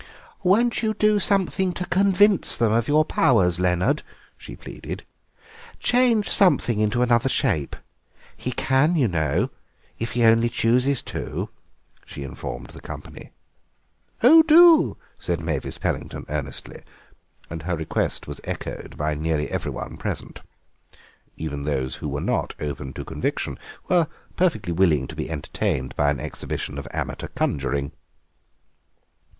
"Won't you do something to convince them of your powers, Leonard?" she pleaded; "change something into another shape. He can, you know, if he only chooses to," she informed the company. "Oh, do," said Mavis Pellington earnestly, and her request was echoed by nearly everyone present. Even those who were not open to conviction were perfectly willing to be entertained by an exhibition of amateur conjuring.